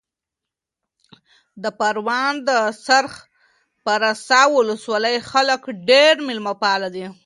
د پروان د سرخ پارسا ولسوالۍ خلک ډېر مېلمه پاله دي.